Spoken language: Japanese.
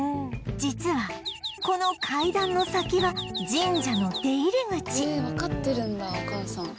実はこの階段の先は神社の出入り口わかってるんだお母さん。